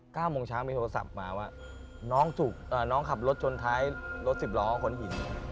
ก้ามโมงเช้ามีโทรศัพท์มาว่าน้องขับรถจนท้ายรถสิบร้อขนหิน